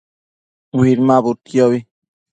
Uinmabudquiobi